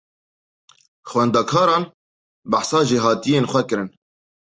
Xwendekaran behsa jêhatiyên xwe kirin.